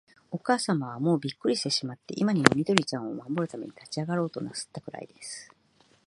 おかあさまは、もうびっくりしてしまって、今にも、緑ちゃんを守るために立ちあがろうとなすったくらいです。